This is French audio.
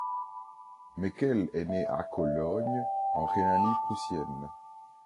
Meckel est né à Cologne en Rhénanie prussienne.